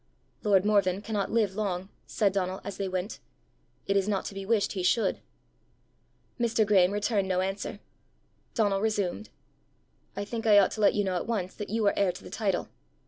"Lord Morven cannot live long," said Donal as they went. "It is not to be wished he should." Mr. Graeme returned no answer. Donal resumed. "I think I ought to let you know at once that you are heir to the title."